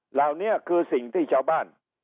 เหล่านี้คือสิ่งที่ชาวบ้าน